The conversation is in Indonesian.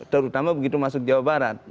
terutama begitu masuk jawa barat